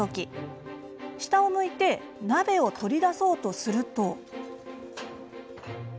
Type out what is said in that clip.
下を向いて鍋を取り出そうとすると。